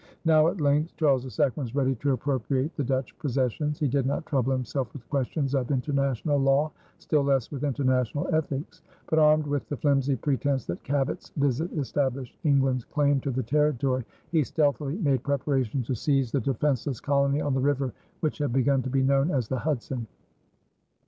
Now at length Charles II was ready to appropriate the Dutch possessions. He did not trouble himself with questions of international law, still less with international ethics; but, armed with the flimsy pretense that Cabot's visit established England's claim to the territory, he stealthily made preparations to seize the defenseless colony on the river which had begun to be known as the Hudson.